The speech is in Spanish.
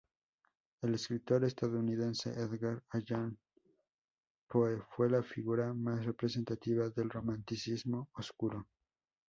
El escritor estadounidense Edgar Allan Poe fue la figura más representativa del romanticismo oscuro.